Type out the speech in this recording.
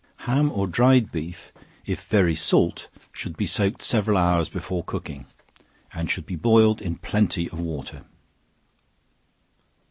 Ham or dried beef, if very salt, should be soaked several hours before cooking, and should be boiled in plenty of water.